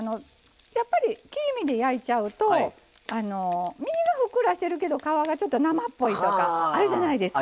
やっぱり切り身で焼いちゃうと身がふっくらしてるけど皮がちょっと生っぽいとかあるじゃないですか。